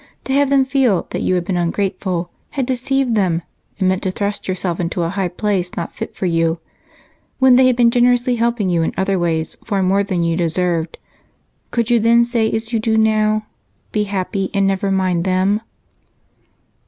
To have them feel that you had been ungrateful, had deceived them, and meant to thrust yourself into a high place not fit for you when they had been generously helping you in other ways, far more than you deserved. Could you then say as you do now, 'Be happy, and never mind them'?"